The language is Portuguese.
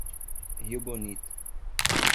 Rio Bonito